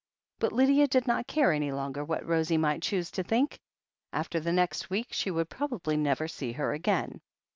But Lydia did not care any longer what Rosie might choose to think. After the next week she would prob ably never see her again.